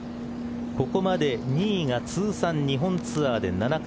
ここまで２位が通算日本ツアーで７回。